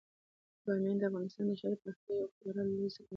بامیان د افغانستان د ښاري پراختیا یو خورا لوی سبب دی.